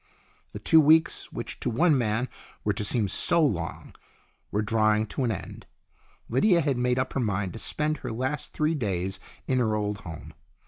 The two weeks, which to one man were to seem 138 STORIES IN GREY so long, were drawing to an end. Lydia had made up her mind to spend her last three days in her old home.